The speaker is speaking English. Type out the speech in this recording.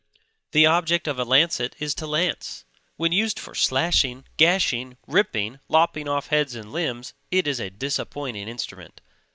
The object of a lancet is to lance; when used for slashing, gashing, ripping, lopping off heads and limbs, it is a disappointing instrument.